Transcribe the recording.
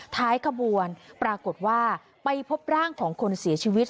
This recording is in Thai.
ท้ายขบวนปรากฏว่าไปพบร่างของคนเสียชีวิต